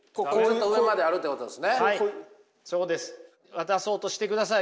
渡そうとしてください